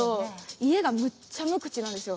家ではめっちゃ無口なんですよ。